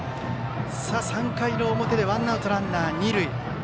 ３回の表でワンアウトランナー、二塁。